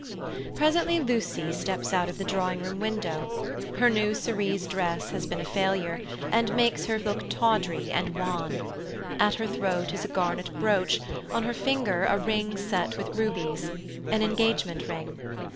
Presently Lucy steps out of the drawing room window. Her new cerise dress has been a failure, and makes her look tawdry and wan. At her throat is a garnet brooch, on her finger a ring set with rubies—an engagement ring.